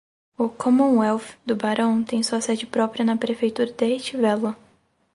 A Commonwealth do barão tem sua sede própria na prefeitura de Estivella.